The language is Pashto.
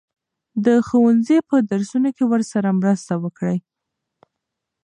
د ښوونځي په درسونو کې ورسره مرسته وکړئ.